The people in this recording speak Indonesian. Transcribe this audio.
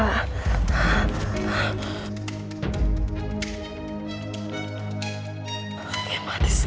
gak mati sekali lagi